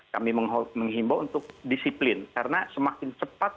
kami menghimbau untuk disiplin karena semakin cepat